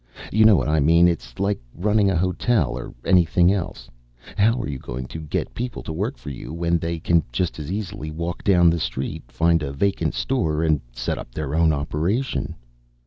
You know what I mean? It's like running a hotel or anything else how are you going to get people to work for you when they can just as easily walk down the street, find a vacant store and set up their own operation?